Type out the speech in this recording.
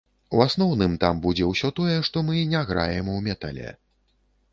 У асноўным, там будзе ўсё тое, што мы не граем у метале.